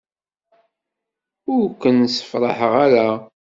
Ur ken-sefṛaḥeɣ ara.